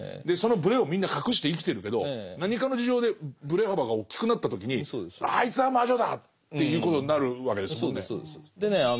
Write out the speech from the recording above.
でそのブレをみんな隠して生きてるけど何かの事情でブレ幅が大きくなった時に「あいつは魔女だ！」っていうことになるわけですもんね。